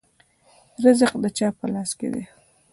رزق د چا په لاس کې دی؟